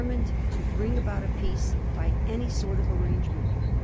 123 mined to bring about a peace by any sort of arrange ment.